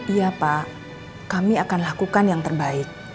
iya pak kami akan lakukan yang terbaik